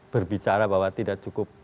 berbicara bahwa tidak cukup